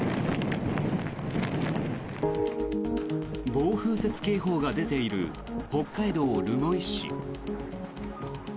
暴風雪警報が出ている北海道留萌市。